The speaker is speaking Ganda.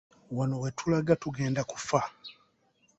Wano wetulaga tugenda kufa.